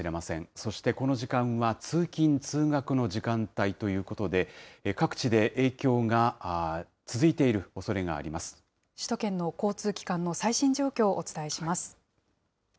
そしてこの時間は、通勤・通学の時間帯ということで、各地で影響が続いているおそれが首都圏の交通機関の最新状況